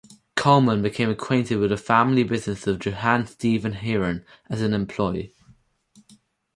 Kuhlmann became acquainted with the family business of Johann Stephan Heeren as an employee.